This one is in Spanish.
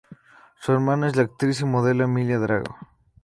Su hermana es la actriz y modelo Emilia Drago.